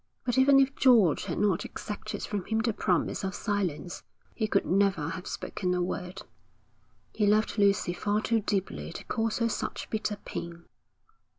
But even if George had not exacted from him the promise of silence, he could never have spoken a word. He loved Lucy far too deeply to cause her such bitter pain.